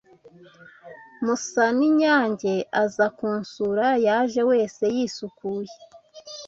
Musaninyange aza kunsura Yaje wese yisukuye